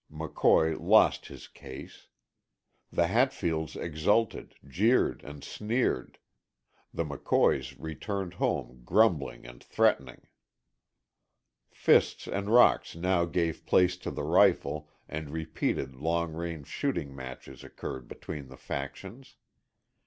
McCoy lost his case. The Hatfields exulted, jeered and sneered; the McCoys returned home grumbling and threatening. Fists and rocks now gave place to the rifle and repeated long range shooting matches occurred between the factions.